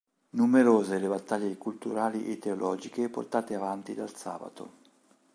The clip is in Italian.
Numerose le battaglie culturali e teologiche portate avanti dal "Sabato".